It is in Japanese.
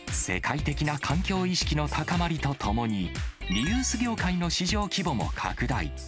世界的な環境意識の高まりとともに、リユース業界の市場規模も拡大。